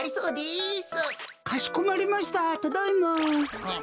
かしこまりましたただいま。